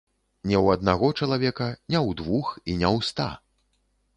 Не ў аднаго чалавека, не ў двух і не ў ста.